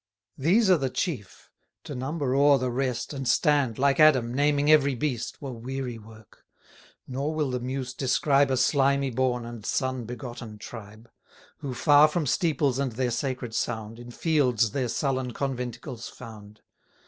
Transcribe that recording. These are the chief: to number o'er the rest, And stand, like Adam, naming every beast, Were weary work; nor will the muse describe 310 A slimy born and sun begotten tribe; Who far from steeples and their sacred sound, In fields their sullen conventicles found.